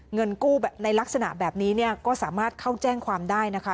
เงินกู้ในลักษณะแบบนี้เนี่ยก็สามารถเข้าแจ้งความได้นะคะ